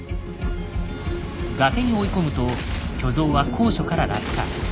崖に追い込むと巨像は高所から落下。